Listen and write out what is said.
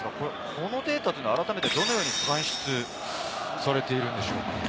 このデータは改めて、どのように算出されているんでしょうか？